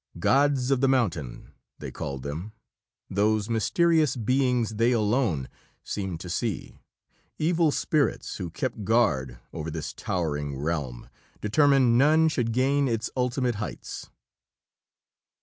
"Gods of the Mountain" they called them, those mysterious beings they alone seemed to see evil spirits who kept guard over this towering realm, determined none should gain its ultimate heights.